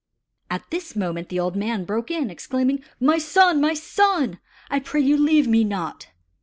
At this moment the old man broke in, exclaiming: "My son! my son! I pray you leave me not!"